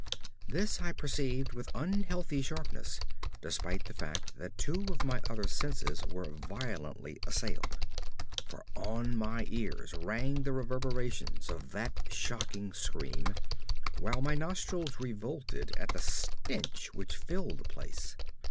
This I perceived with unhealthy sharpness despite the fact that two of my other senses were violently assailed. For on my ears rang the reverberations of that shocking scream, while my nostrils revolted at the stench which filled the place.